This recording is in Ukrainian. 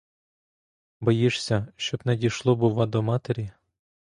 Боїшся, щоб не дійшло, бува, до матері?